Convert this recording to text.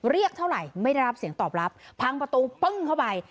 เรียกเท่าไหร่ไม่ได้รับเสียงตอบรับพังประตูปึ้งเข้าไป